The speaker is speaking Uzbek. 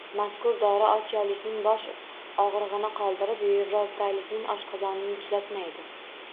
Mazkur dori osiyolikning bosh og‘rig‘ini qoldirib, yevropalikning oshqozonini tuzatmaydi.